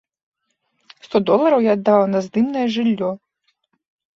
Сто долараў я аддаваў на здымнае жыллё.